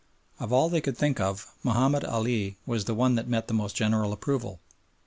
Of all they could think of Mahomed Ali was the one that met the most general approval.